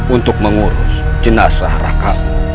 untuk mengurus jenazah raka